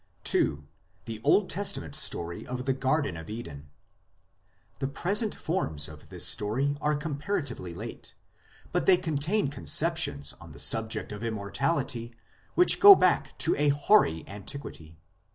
II. THE OLD TESTAMENT STORY or THE GARDEN OF EDEN The present forms of this story are comparatively late, but they contain conceptions on the subject of Immor tality which go back to a hoary antiquity.